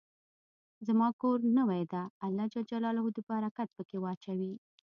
زما کور نوې ده، الله ج د برکت په کي واچوی